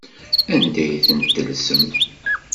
Anda ay tent-tellsem?